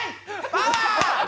パワー！